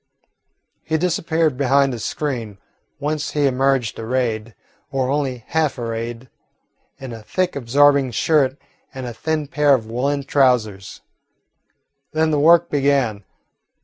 He disappeared behind a screen, whence he emerged arrayed, or only half arrayed, in a thick absorbing shirt and a thin pair of woollen trousers. Then the work began.